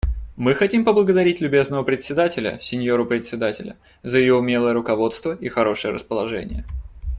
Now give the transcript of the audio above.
Мы хотим поблагодарить любезного Председателя — сеньору Председателя — за ее умелое руководство и хорошее расположение.